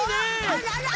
あららら。